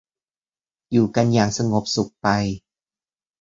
อยู่กันอย่างสงบสุขไป